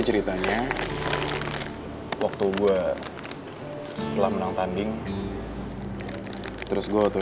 bisa ga bakal jelas karakter yang coba